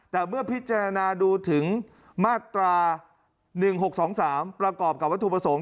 แต่เมื่อพิจารณาดูถึงมาตรา๑๖๒๓ประกอบกับวัตถุประสงค์